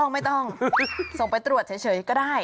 ไม่ต้องส่งไปตรวจเฉยก็ได้